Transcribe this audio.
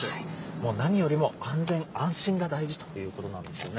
もう何よりも安全安心が大事ということなんですね。